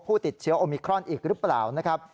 ผู้ติดเชื้อโอมิครอนอีกหรือเปล่านะครับ